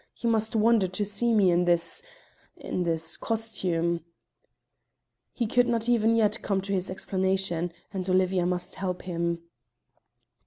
You must wonder to see me in this in this costume." He could not even yet come to his explanation, and Olivia must help him.